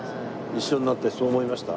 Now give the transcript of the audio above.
一緒になってそう思いました？